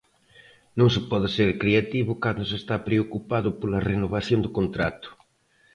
Non se pode ser creativo cando se está preocupado pola renovación de contrato.